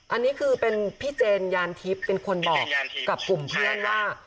อันนี้คือเป็นพี่เจนยานทิพย์เป็นคนบอกกับกลุ่มเพื่อนว่า